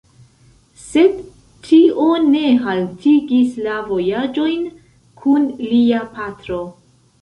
Sed tio ne haltigis la vojaĝojn kun lia patro.